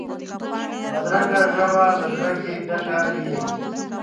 بدرنګه ژبه له کرکې ډکه وي